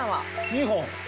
２本。